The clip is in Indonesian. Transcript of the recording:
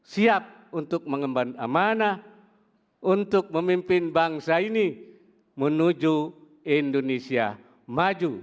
siap untuk mengemban amanah untuk memimpin bangsa ini menuju indonesia maju